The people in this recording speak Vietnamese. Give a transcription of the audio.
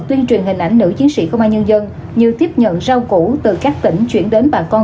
tuyên truyền hình ảnh nữ chiến sĩ công an nhân dân như tiếp nhận rau củ từ các tỉnh chuyển đến bà con